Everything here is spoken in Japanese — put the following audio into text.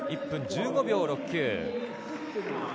１分１５秒６９。